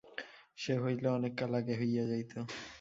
সে হইলে অনেক কাল আগে হইয়া যাইত।